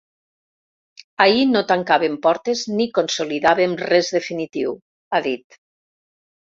Ahir no tancàvem portes ni consolidàvem res definitiu, ha dit.